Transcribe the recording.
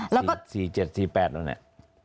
๔๗๔๘แล้วเนี่ย